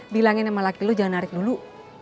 bilangin sama laki lu jangan narik dulu